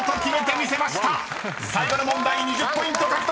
［最後の問題２０ポイント獲得］